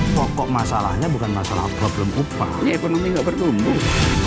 pokok masalahnya bukan masalah problem upah ekonomi gak bertumbuh